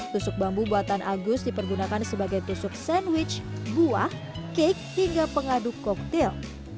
tusuk bambu buatan agus dipergunakan sebagai tusuk sandwich buah cake hingga pengaduk koktel